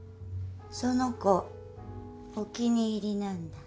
その子お気に入りなんだ。